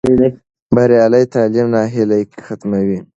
بریالی تعلیم ناهیلي ختموي.